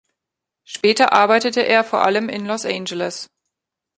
Später arbeitete er vor allem in Los Angeles.